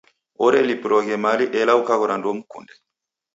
Orelipiloghe mali ela ukaghora ndoumkunde.